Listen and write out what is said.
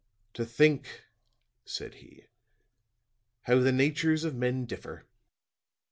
"To think," said he, "how the natures of men differ.